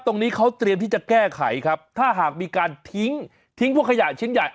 ตรงนี้เขาเตรียมที่จะแก้ไขครับถ้าหากมีการทิ้งทิ้งพวกขยะชิ้นใหญ่